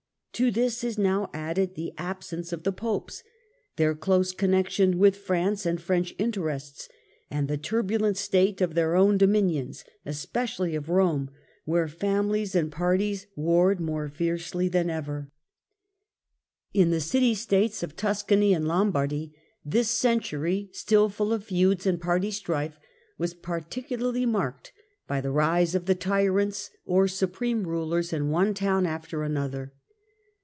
To this is now added the absence of the Popes, their close connection with France and French interests, and the turbulent state of their own dominions, especially of Rome where families and parties warred more fiercely than ever. 70 ITALY, 1313 11578 71 In the City States of Tuscany and Lombardy, this century, still full of feuds and party strife, was particu larly marked by the rise of "tyrants," or supreme Tyrants rulers, in one town after another.